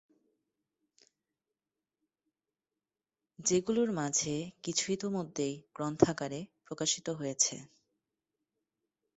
যেগুলোর মাঝে কিছু ইতিমধ্যেই গ্রন্থাকারে প্রকাশিত হয়েছে।